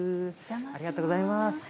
ありがとうございます。